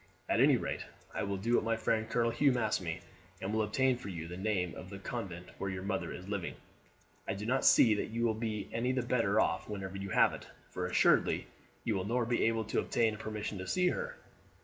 At any rate I will do what my friend Colonel Hume asks me, and will obtain for you the name of the convent where your mother is living. I do not see that you will be any the better off when you have it, for assuredly you will nor be able to obtain permission to see her.